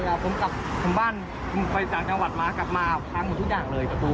มันบอกว่าผมเป็นประสาทอย่างเดียวเลย